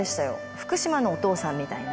福島のお父さんみたいな。